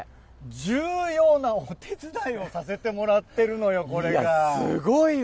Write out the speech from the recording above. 重要なお手伝いをさせてもらすごいわ。